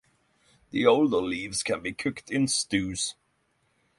The older leaves can be cooked in stews.